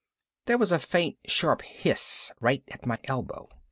There was a faint sharp hiss right at my elbow.